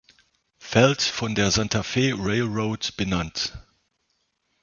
Felt von der Santa Fe Railroad benannt.